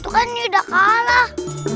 itu kan sudah kalah